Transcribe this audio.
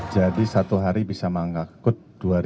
jadi satu hari bisa mengangkut dua lima ratus